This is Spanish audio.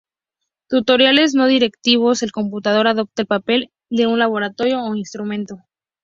Tutoriales no directivos: el computador adopta el papel de un laboratorio o instrumento.